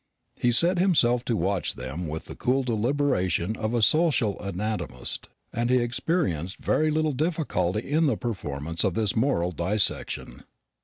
He set himself to watch them with the cool deliberation of a social anatomist, and he experienced very little difficulty in the performance of this moral dissection.